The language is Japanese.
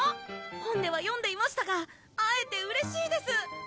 本では読んでいましたが会えてうれしいです！